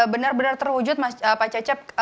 benar benar terwujud pak cecep